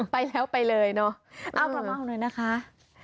อ๋อไปแล้วไปเลยเนอะเอ้าเรามาเอาหน่อยนะคะ